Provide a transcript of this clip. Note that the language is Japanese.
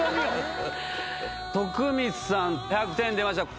徳光さん１００点出ました。